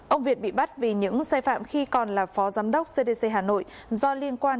ông việt bị bắt vì những sai phạm khi còn là phó giám đốc cdc hà nội do liên quan